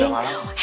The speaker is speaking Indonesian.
eh tekan aja ya